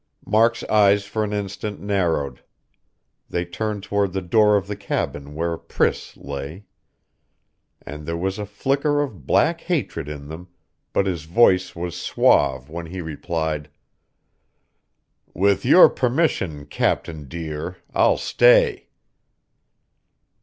Mark's eyes for an instant narrowed; they turned toward the door of the cabin where Priss lay.... And there was a flicker of black hatred in them, but his voice was suave when he replied: "With your permission, captain dear, I'll stay."